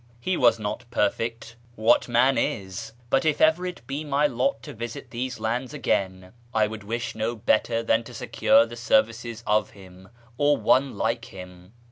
He was not perfect — what man is ?— but if ever it be my lot to visit these lands again, I would wish no better than to secure the services of him, or one like him.